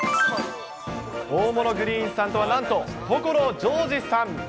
大物グリーンさんとはなんと、所ジョージさん。